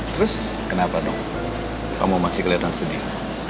terus kenapa dong kamu masih kelihatan sedih